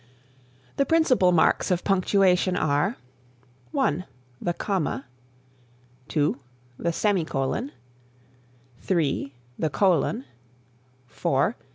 The principal marks of punctuation are: 1. The Comma [,] 2. The Semicolon [;] 3. The Colon [:] 4.